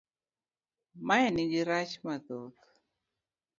Mae nigi rachne mathoth